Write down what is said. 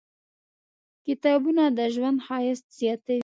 کتابونه د ژوند ښایست زیاتوي.